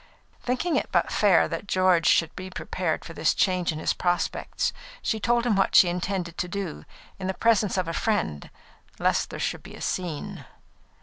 Thinking it but fair that George should be prepared for this change in his prospects, she told him what she intended to do, in the presence of a friend, lest there should be a scene.